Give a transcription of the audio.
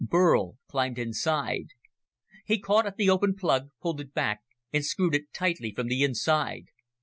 Burl climbed inside. He caught at the open plug, pulled it back and screwed it tightly from the inside.